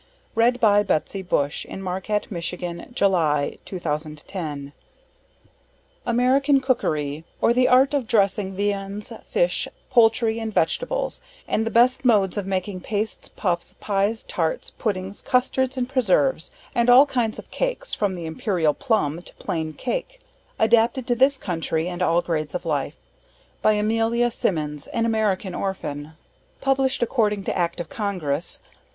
Eckrich, the PG Online Distributed Proofreaders Team AMERICAN COOKERY, OR THE ART OF DRESSING VIANDS, FISH, POULTRY and VEGETABLES, AND THE BEST MODES OF MAKING PASTES, PUFFS, PIES, TARTS, PUDDINGS, CUSTARDS AND PRESERVES, AND ALL KINDS OF CAKES, FROM THE IMPERIAL PLUMB TO PLAIN CAKE. ADAPTED TO THIS COUNTRY, AND ALL GRADES OF LIFE. By Amelia Simmons, AN AMERICAN ORPHAN. PUBLISHED ACCORDING TO ACT OF CONGRESS.